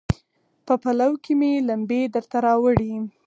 په پلو کې مې لمبې درته راوړي